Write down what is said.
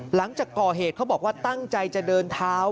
หลังจากก่อเหตุเขาบอกว่าตั้งใจจะเดินเท้า